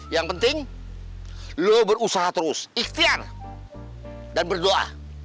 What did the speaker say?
yang penting lo berusaha terus ikhtiar dan berdoa